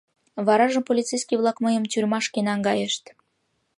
Варажым полицейский-влак мыйым тюрьмашке наҥгайышт.